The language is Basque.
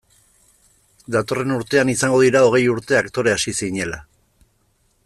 Datorren urtean izango dira hogei urte aktore hasi zinela.